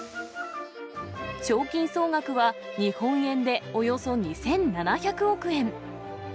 賞金総額は日本円でおよそ２７００億円。